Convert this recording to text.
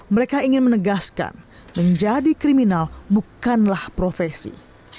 mereka ingin menegaskan menjadi kriminal bukanlah profesi